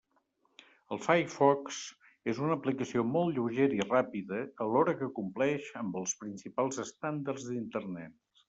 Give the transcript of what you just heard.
El Firefox és una aplicació molt lleugera i ràpida, alhora que compleix amb els principals estàndards d'Internet.